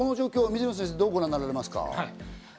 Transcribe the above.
水野先生、どうご覧になっていますか？